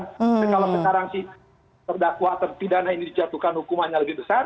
dan kalau sekarang si perdakwa pimpinan ini dijatuhkan hukumannya lebih besar